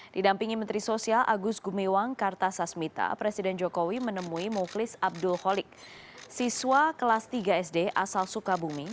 didampingi menteri sosial agus gumewang kartasasmita presiden jokowi menemui mukhlis abdul kholik siswa kelas tiga sd asal sukabumi